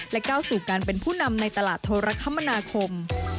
ก้าวสู่การเป็นผู้นำในตลาดโทรคมนาคม